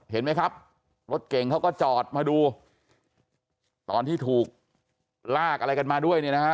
เห็นไหมครับรถเก่งเขาก็จอดมาดูตอนที่ถูกลากอะไรกันมาด้วยเนี่ยนะฮะ